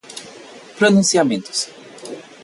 pronunciamentos